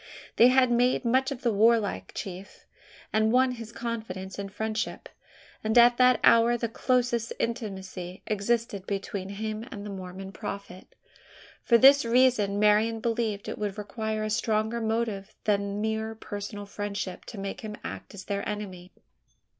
They had made much of the warlike chief had won his confidence and friendship and at that hour the closest intimacy existed between him and the Mormon prophet. For this reason, Marian believed it would require a stronger motive than mere personal friendship to make him act as their enemy.